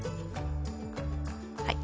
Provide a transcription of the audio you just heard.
はい。